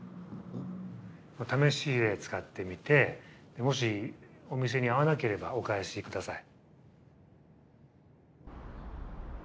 試しで使ってみてもしお店に合わなければお返し下さい。